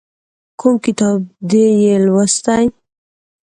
کوم کتاب دې یې لوستی؟